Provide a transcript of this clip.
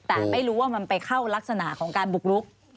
แต่ไม่รู้ว่ามันไปเข้ารักษณะของการบุกลุก